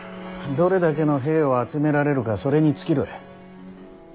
どれだけの兵を集められるかそれに尽きる。